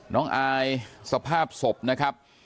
น้องอายสภาพศพนะครับ